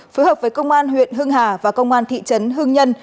phối hợp với công an huyện hưng hà và công an thị trấn hưng nhân